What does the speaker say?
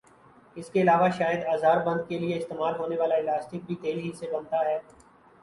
اس کے علاوہ شاید آزار بند کیلئے استعمال ہونے والا الاسٹک بھی تیل ہی سے بنتا ھے